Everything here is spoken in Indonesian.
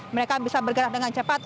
mereka bisa bergerak dengan cepat